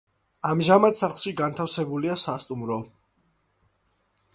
ამჟამად სახლში განთავსებულია სასტუმრო.